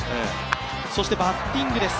そしてバッティングです。